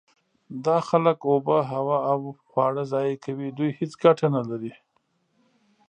دا خلک اوبه، هوا او خواړه ضایع کوي. دوی هیڅ ګټه نلري.